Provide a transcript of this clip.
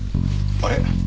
あれ？